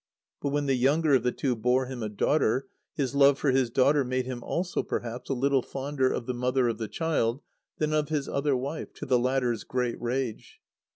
But when the younger of the two bore him a daughter, his love for his daughter made him also perhaps a little fonder of the mother of the child than of his other wife, to the latter's great rage.